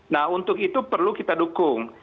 nah untuk itu perlu kita dukung